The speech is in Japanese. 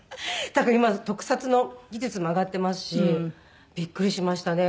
だから今特撮の技術も上がってますしビックリしましたね。